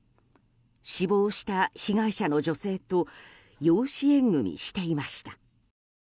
死亡した被害者の女性と養子縁組していました。